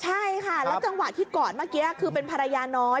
ใช่ค่ะแล้วจังหวะที่กอดเมื่อกี้คือเป็นภรรยาน้อย